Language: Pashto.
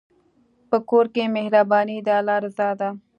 په کور کې مهرباني د الله رضا ده.